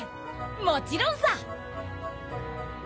もちろんさ！